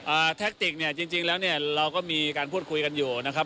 แท็กติกเนี่ยจริงจริงแล้วเนี่ยเราก็มีการพูดคุยกันอยู่นะครับ